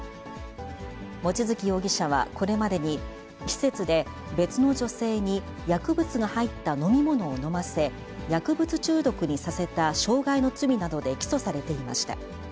望月容疑者はこれまでに施設で別の女性に薬物が入った飲み物を飲ませ、薬物中毒にさせた傷害の罪などで起訴されていました。